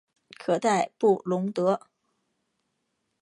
科代布龙德。